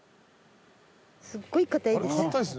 すごい硬いです。